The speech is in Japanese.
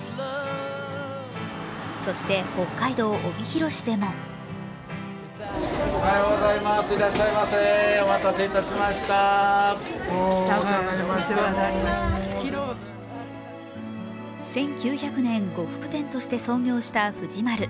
そして、北海道帯広市でも１９００年、呉服店として創業した藤丸。